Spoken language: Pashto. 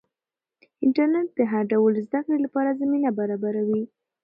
انټرنیټ د هر ډول زده کړې لپاره زمینه برابروي.